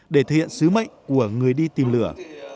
để thể hiện sứ mệnh của người đi tìm lửa